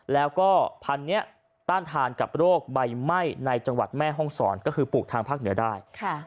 แล้วก็พันธุ์นี้ต้านทานกับโรคใบไหม้ในจังหวัดแม่ห้องศรก็คือปลูกทางภาคเหนือได้